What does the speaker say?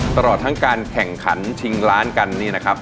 ตลอดทั้งการแข่งขันชิงล้านกันนี่นะครับ